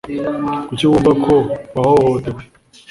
Kuki wumva ko wahohotewe